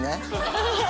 「アハハハ」